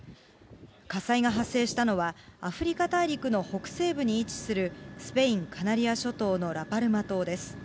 火災が発生したのは、アフリカ大陸の北西部に位置するスペイン・カナリア諸島のラパルマ島です。